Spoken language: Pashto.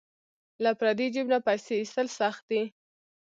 له پردي جیب نه پیسې ایستل سخت دي.